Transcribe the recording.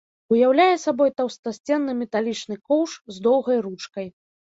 Уяўляе сабой таўстасценны металічны коўш з доўгай ручкай.